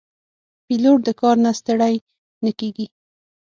پیلوټ د کار نه ستړی نه کېږي.